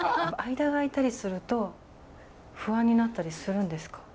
間が空いたりすると不安になったりするんですか？